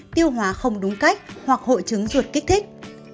tiêu hóa không đúng cách hoặc hội chứng ruột kích thích